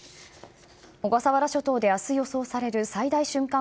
小笠原諸島であす予想される最大瞬間